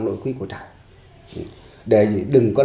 nội quý của trại